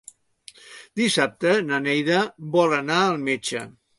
Dissabte na Neida vol anar al metge.